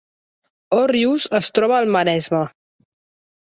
Òrrius es troba al Maresme